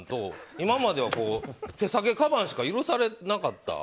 今までは手提げかばんしか許されなかった。